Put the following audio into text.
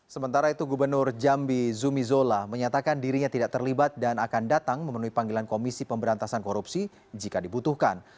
sementara itu gubernur jambi zumi zola menyatakan dirinya tidak terlibat dan akan datang memenuhi panggilan komisi pemberantasan korupsi jika dibutuhkan